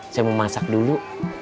saya mau masak dulu